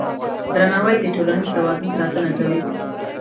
درناوی د ټولنیز توازن ساتنه کوي.